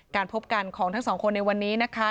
พบกันของทั้งสองคนในวันนี้นะคะ